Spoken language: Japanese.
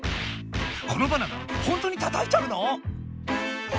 このバナナほんとにたたいちゃうの？